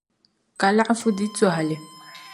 Ka laɣifu di tɔhili.